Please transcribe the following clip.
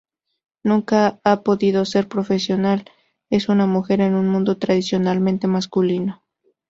Nunca ha podido ser profesional: es una mujer en un mundo tradicionalmente masculino.